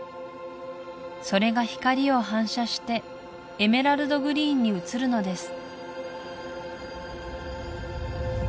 それが光を反射してエメラルドグリーンに映るのです